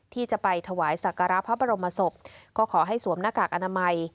ที่จะไปถวายสักการะพระบรมศพก็ขอให้สวมหน้ากากอนามัย